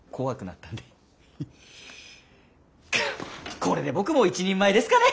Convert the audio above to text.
これで僕も一人前ですかね？